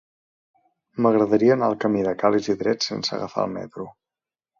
M'agradaria anar al camí de Ca l'Isidret sense agafar el metro.